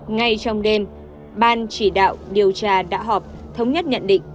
ngay trong đêm ban chỉ đạo điều tra đã họp thống nhất nhận định